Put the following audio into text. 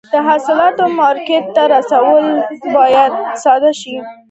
د حاصلاتو مارکېټ ته رسونه باید ساده شي.